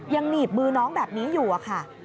หนีบมือน้องแบบนี้อยู่อะค่ะ